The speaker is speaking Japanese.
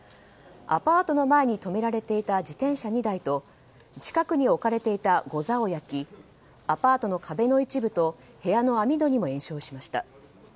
アパートの前に止められていた自転車２台と近くに置かれていたござを焼きアパートの壁の一部と部屋の網戸にも延焼しました。